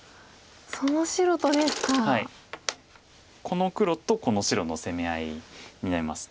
この黒とこの白の攻め合いになります。